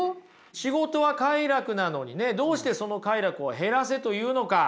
仕事は快楽なのにねどうしてその快楽を減らせと言うのか。